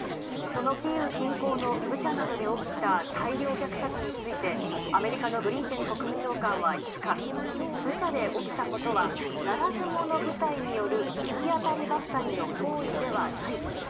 そのキーウ近郊のブチャなどで起きた大量虐殺について、アメリカのブリンケン国務長官は５日、ブチャで起きたことはならず者部隊による行き当たりばったりの行為ではない。